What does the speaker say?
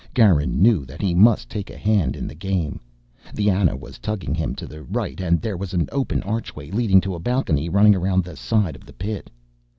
Garin knew that he must take a hand in the game. The Ana was tugging him to the right, and there was an open archway leading to a balcony running around the side of the pit.